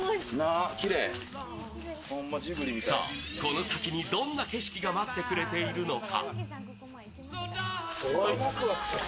さぁ、この先にどんな景色が待ってくれているのか。